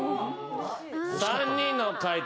３人の解答